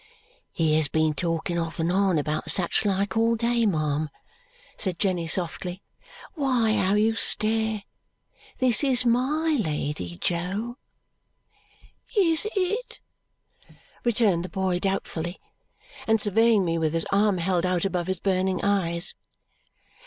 "He has been talking off and on about such like all day, ma'am," said Jenny softly. "Why, how you stare! This is MY lady, Jo." "Is it?" returned the boy doubtfully, and surveying me with his arm held out above his burning eyes.